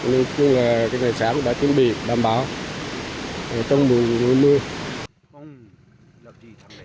nhưng là cái ngày sáng đã chuẩn bị đảm bảo trong mùa mưa